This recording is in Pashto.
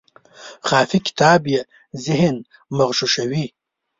خافي کتاب یې ذهن مغشوشوي.